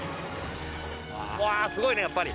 うわすごいねやっぱり。